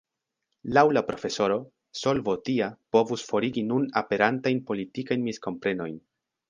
Laŭ la profesoro, solvo tia povus forigi nun aperantajn politikajn miskomprenojn.